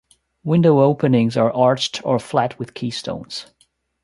Window openings are arched or flat with keystones.